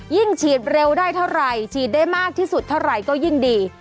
ฉีดเร็วได้เท่าไหร่ฉีดได้มากที่สุดเท่าไหร่ก็ยิ่งดี